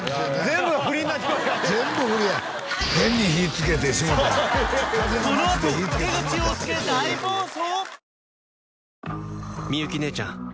全部振りになって全部振りや変に火つけてしもうたこのあと江口洋介大暴走！？